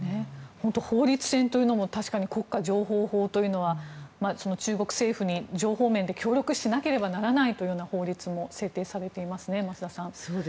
本当に法律戦というのも国家情報法とは中国政府に情報面で協力しないといけないという法律も制定されていますね増田さん。